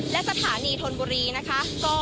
และสถานีธนบุรีนะคะ